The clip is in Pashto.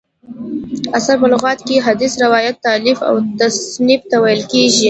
اثر: په لغت کښي حدیث، روایت، تالیف او تصنیف ته ویل کیږي.